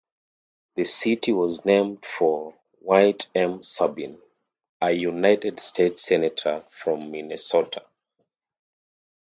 The city was named for Dwight M. Sabin, a United States Senator from Minnesota.